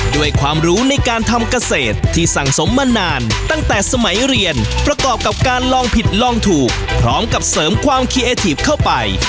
ด้วยความรู้ในการทำเกษตรที่สังสมมานานตั้งแต่สมัยเรียนประกอบกับการลองผิดลองถูกพร้อมกับเสริมความคีเอทีฟเข้าไป